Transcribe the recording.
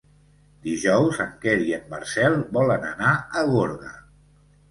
Dijous en Quer i en Marcel volen anar a Gorga.